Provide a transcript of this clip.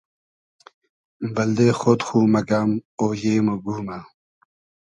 بئلدې خۉد مۉ مئگئم اویې مۉ گومۂ